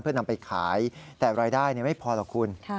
เพื่อนำไปขายแต่รายได้ไม่พอหรอกคุณ